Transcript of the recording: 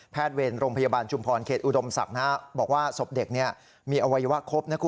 เวรโรงพยาบาลชุมพรเขตอุดมศักดิ์บอกว่าศพเด็กมีอวัยวะครบนะคุณ